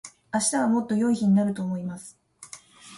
明日はもっと良い日になると思います。